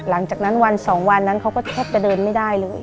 หลังจากนั้นวันสองวันนั้นเขาก็แทบจะเดินไม่ได้เลย